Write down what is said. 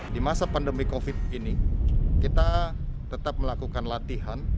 di masa pandemi covid ini kita tetap melakukan latihan